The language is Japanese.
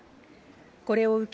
これを受け、